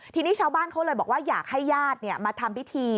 ทีนี้ชาวบ้านเขาเลยบอกว่าอยากให้ญาติมาทำพิธี